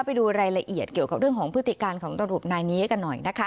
ไปดูรายละเอียดเกี่ยวกับเรื่องของพฤติการของตำรวจนายนี้กันหน่อยนะคะ